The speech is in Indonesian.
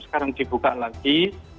sekarang dibuka lagi